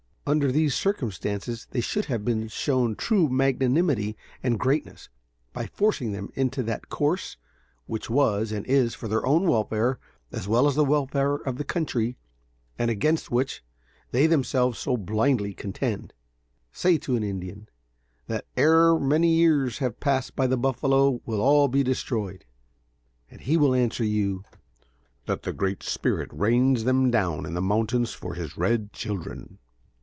Under these circumstances they should have been shown true magnanimity and greatness, by forcing them into that course which was and is for their own welfare as well as the welfare of the country, and against which, they themselves so blindly contend. Say to an Indian, that ere many years have passed by the buffalo will all be destroyed, and he will answer you "that the 'Great Spirit' rains them down in the mountains for his red children."